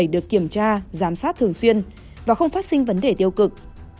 được kiểm tra giám sát thường xuyên và không phát sinh vấn đề tiêu cực